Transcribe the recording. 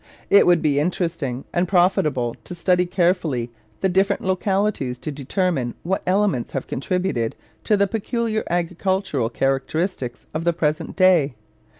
It would be interesting and profitable to study carefully the different localities to determine what elements have contributed to the peculiar agricultural characteristics of the present day.